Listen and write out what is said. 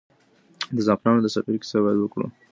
د زعفرانو د سفر کیسه باید وکړو.